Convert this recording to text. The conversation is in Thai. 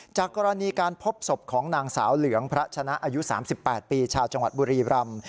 จากกรณีการพบศพของนางสาวเหลืองพระชนะอายุ๓๘ปีชาวจังหวัดบุรีรำ